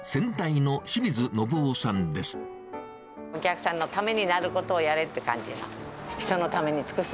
お客さんのためになることをやれって感じです。